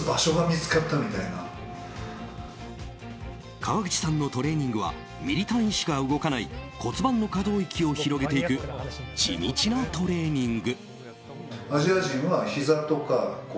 河口さんのトレーニングはミリ単位しか動かない骨盤の可動域を広げていく地道なトレーニング。